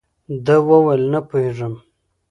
ده ویل، نه پوهېږم.